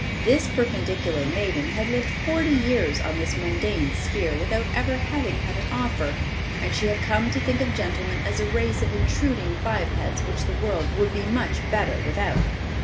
This perpendicular maiden had lived forty years on this mundane sphere without ever having had an offer, and she had come to think of gentlemen as a race of intruding bipeds which the world would be much better without.